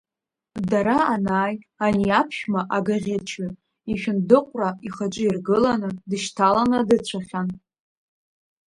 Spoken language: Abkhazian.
Дара анааи, ани аԥшәма ага ӷьычҩы ишәындыҟәра ихаҿы иргыланы, дышьҭаланы дыцәахьан.